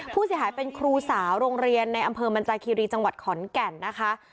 ผู้เสียหายเป็นครูสาวโรงเรียนในอำเภอมันจาคีรีจังหวัดขอนแก่นนะคะ